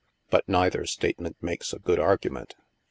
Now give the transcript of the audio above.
But neither statement makes a good argument."